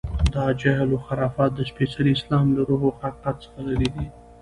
دا جهل و خرافات د سپېڅلي اسلام له روح و حقیقت څخه لرې دي.